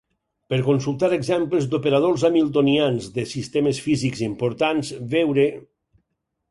Per consultar exemples d'operadors hamiltonians de sistemes físics importants veure: